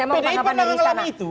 pdip memang mengalami itu